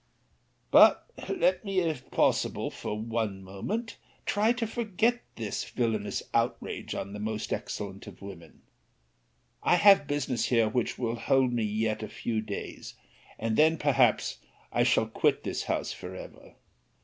But let me, if possible, for one moment, try to forget this villanous outrage on the most excellent of women. I have business here which will hold me yet a few days; and then perhaps I shall quit this house for ever.